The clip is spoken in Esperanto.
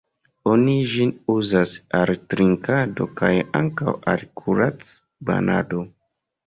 Oni ĝin uzas al trinkado kaj ankaŭ al kurac-banado.